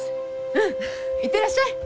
うん行ってらっしゃい！